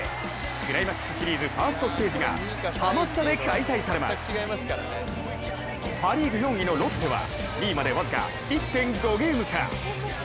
クライマックスシリーズ、ファーストステージがハマスタで開催されますパ・リーグ４位のロッテは２位まで僅か１．５ゲーム差。